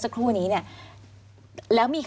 มันจอดอย่างง่ายอย่างง่าย